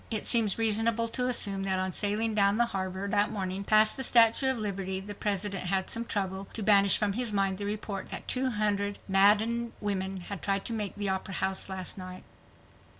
It seems reasonable to assume that on sailing down the harbor that morning past the Statue of Liberty the President had some trouble to banish from his mind the report that "two hundred maddened women" had tried to "make the Opera House last night."